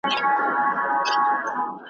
ستا په مالت کي مي خپل سیوري ته خجل نه یمه .